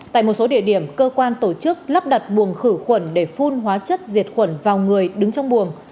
tại một số địa điểm cơ quan tổ chức lắp đặt buồng khử khuẩn để phun hóa chất diệt khuẩn vào người đứng trong buồng